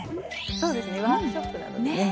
そうですねワークショップなのでね。